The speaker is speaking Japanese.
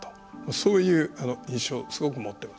そういう印象をすごく持っています。